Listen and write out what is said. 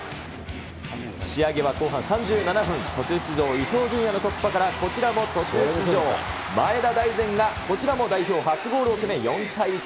仕上げは後半３７分、途中出場、伊東純也の突破から、こちらも途中出場、前田大然がこちらも代表初ゴールを決め、４対１。